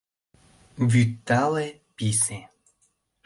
Вӱд тале, писе.